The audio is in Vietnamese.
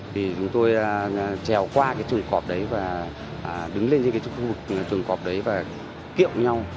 thì chúng tôi trèo qua cái chuồng cọp đấy và đứng lên trên cái khu vực chuồng cọp đấy và kiệu nhau